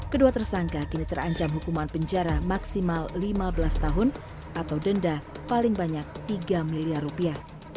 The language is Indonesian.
kedua tersangka kini terancam hukuman penjara maksimal lima belas tahun atau denda paling banyak tiga miliar rupiah